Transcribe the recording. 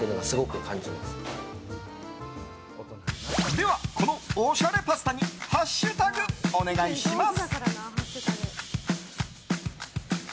では、このおしゃれパスタにハッシュタグお願いします！